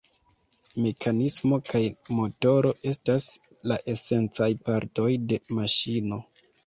Mekanismo kaj motoro estas la esencaj partoj de maŝino.